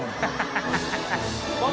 ハハハ